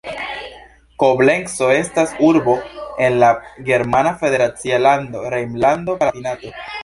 Koblenco estas urbo en la germana federacia lando Rejnlando-Palatinato.